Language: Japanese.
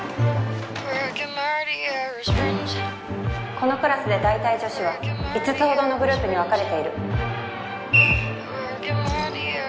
このクラスで大体女子は五つほどのグループに分かれている。